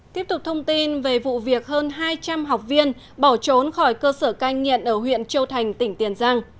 tiếp tục thông tin về vụ việc hơn hai trăm linh học viên bỏ trốn khỏi cơ sở cai nghiện ở huyện châu thành tỉnh tiền giang